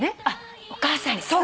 あっお母さんに？